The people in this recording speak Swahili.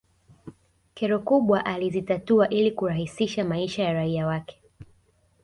kero kubwa alizitatua ili kurahisisha maisha ya raia wake